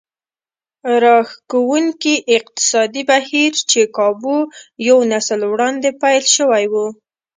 راښکوونکي اقتصادي بهير چې کابو يو نسل وړاندې پيل شوی و.